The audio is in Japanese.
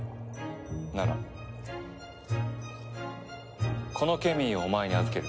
ならこのケミーをお前に預ける。